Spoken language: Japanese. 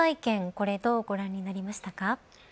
これ、どうご覧になりましたか。